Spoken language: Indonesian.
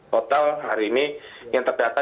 total hari ini yang terdata